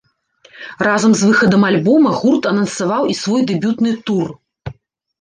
Разам з выхадам альбома гурт анансаваў і свой дэбютны тур.